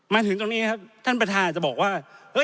มาถึงตรงนี้ครับท่านประธานจะบอกว่า